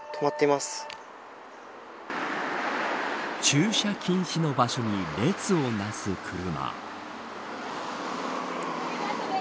駐車禁止の場所に列をなす車。